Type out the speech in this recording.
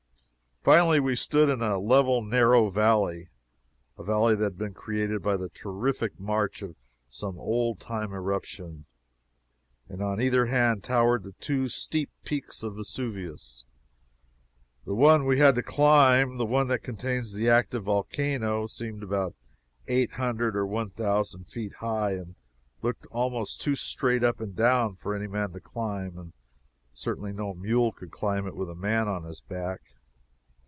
Finally we stood in a level, narrow valley (a valley that had been created by the terrific march of some old time irruption) and on either hand towered the two steep peaks of Vesuvius. The one we had to climb the one that contains the active volcano seemed about eight hundred or one thousand feet high, and looked almost too straight up and down for any man to climb, and certainly no mule could climb it with a man on his back.